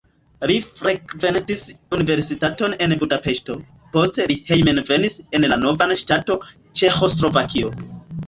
Li frekventis universitaton en Budapeŝto, poste li hejmenvenis en la nova ŝtato Ĉeĥoslovakio.